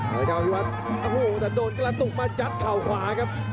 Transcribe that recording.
อัภพยวัตโอ้โหแต่โดนกระตุกมาจัดข่าวขวาครับ